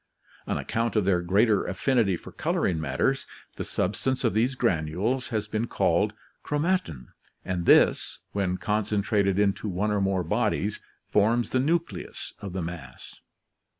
On account of their greater affinity for coloring matters, the substance of these granules has been called chromatin, and this, when concentrated into one or more bodies, forms the nucleus of the mass.